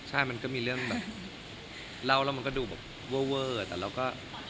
ใช่มันก็มีเรื่องแบบเล่าแล้วมันก็ดูแบบเวอร์แต่เราก็